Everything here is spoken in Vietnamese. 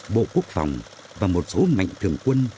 bộ quốc phòng và một số mạnh thường quân